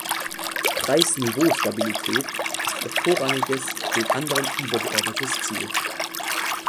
Preisniveaustabilität ist ihr vorrangiges, den anderen übergeordnetes Ziel.